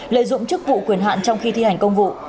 lợi dụng chức vụ quyền hạn trong khi thi hành công vụ